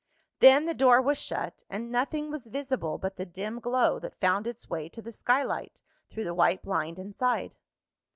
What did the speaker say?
Then the door was shut, and nothing was visible but the dim glow that found its way to the skylight, through the white blind inside.